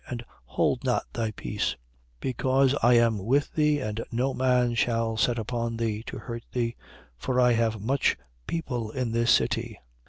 And hold not thy peace, 18:10. Because I am with thee and no man shall set upon thee, to hurt thee. For I have much people in this city.